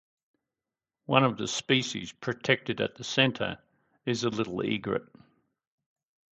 One of the species protected at the centre is the little egret.